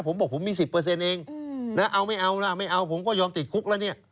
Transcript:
ผมบอกผมมีสิบเปอร์เซ็นต์เองเอาไหมเอาไม่เอาผมก็ยอมติดคุกแล้วนี่